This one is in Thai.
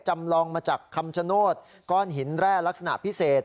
จำลองมาจากคำชโนธก้อนหินแร่ลักษณะพิเศษ